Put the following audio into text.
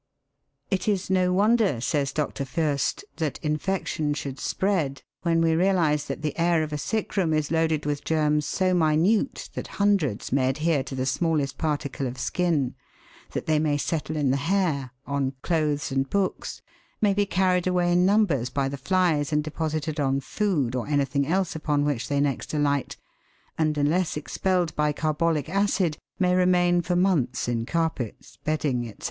* It is no wonder, says Dr. Fiirst, that infection should spread, when we realise that the air of a sick room is loaded with germs so minute that hundreds may adhere to the smallest particle of skin, that they may settle in the hair, on clothes and books, may be carried away in numbers by the flies and deposited on food or anything else upon which they next alight, and, unless expelled by carbolic acid, may remain for months in carpets, bedding, &c.